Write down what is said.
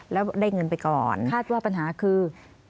แล้วได้เงินไปก่อนคาดว่าปัญหาคือ